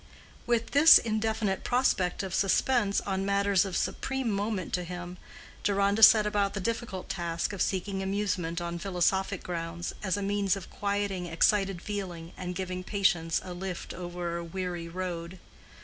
With this indefinite prospect of suspense on matters of supreme moment to him, Deronda set about the difficult task of seeking amusement on philosophic grounds, as a means of quieting excited feeling and giving patience a lift over a weary road.